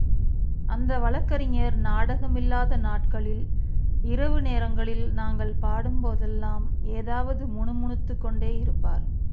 அந்த வழக்கறிஞர், நாடக மில்லாத நாட்களில் இரவு நேரங்களில் நாங்கள் பாடும்போதெல்லாம் ஏதாவது முணு முணுத்துக் கொண்டேயிருப்பார்.